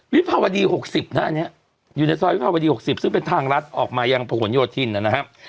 วิภาวดี๖๐นะฮะอันนี้อยู่ในซอยวิภาวดี๖๐ซึ่งเป็นทางรัฐออกมายังผนโยธินนะครับ